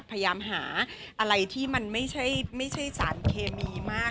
พยายามหาอะไรที่มันไม่ใช่สารเคมีมาก